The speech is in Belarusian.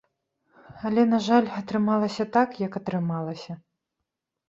Але, на жаль, атрымалася так, як атрымалася.